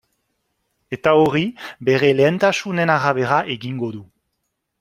Eta hori bere lehentasunen arabera egingo du.